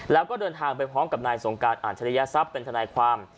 แล้วก็เดินทางไปพร้อมกับนายสงการอัจฉริยทรัพย์เป็นทนายความ